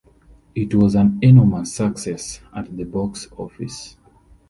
It was an enormous success at the box office.